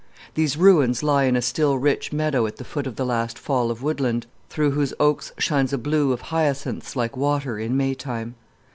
These ruins lie in a still rich meadow at the foot of the last fall of woodland, through whose oaks shines a blue of hyacinths, like water, in Maytime.